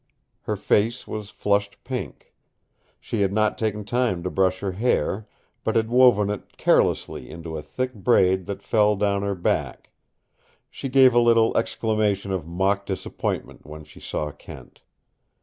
Her face was flushed pink. She had not taken time to brush her hair, but had woven it carelessly into a thick braid that fell down her back. She gave a little exclamation of mock disappointment when she saw Kent.